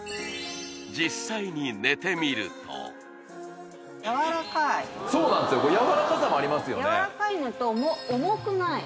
実際に寝てみるとそうなんですよやわらかさもありますよね